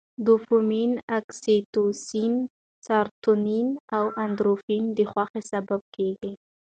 دوپامین، اکسي توسین، سروتونین او اندورفین د خوښۍ سبب کېږي.